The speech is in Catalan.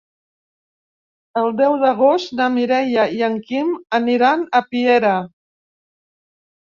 El deu d'agost na Mireia i en Quim aniran a Piera.